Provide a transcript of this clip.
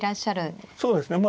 そうですね